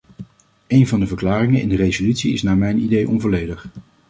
Een van de verklaringen in de resolutie is naar mijn idee onvolledig.